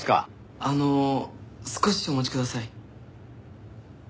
あの少しお待ちください。